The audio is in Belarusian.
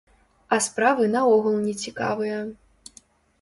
А справы наогул нецікавыя.